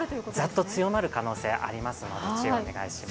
ザッと強まる可能性がありますので注意をお願いします。